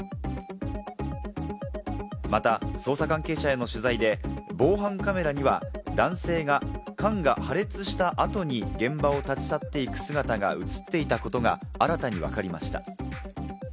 また捜査関係者への取材で防犯カメラには、男性が、缶が破裂した後に現場を立ち去っていく姿が映っていたことが新たに分かりました。